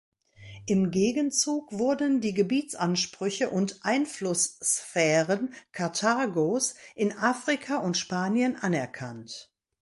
Im Gegenzug wurden die Gebietsansprüche und Einflusssphären Karthagos in Afrika und Spanien anerkannt.